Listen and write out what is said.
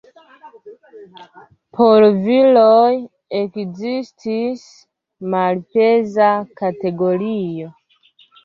Por viroj ekzistis malpeza kategorio.